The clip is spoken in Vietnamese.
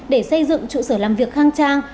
để xây dựng trụ sở làm việc khang trang